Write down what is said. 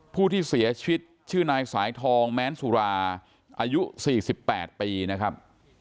ผู้ที่เสียชีวิตชื่อนายสายทองแม้นสุราอายุ๔๘ปีนะครับ